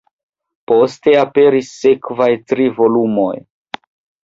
Poste aperis sekvaj tri volumoj.